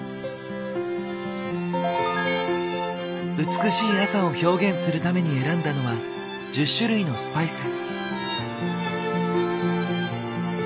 美しい朝を表現するために選んだのは１０種類のスパイス。